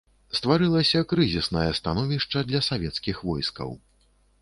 Стварылася крызіснае становішча для савецкіх войскаў.